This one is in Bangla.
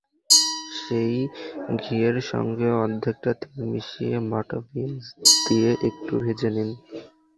সেই ঘিয়ের সঙ্গে অর্ধেকটা তেল মিশিয়ে বাটা পেঁয়াজ দিয়ে একটু ভেজে নিন।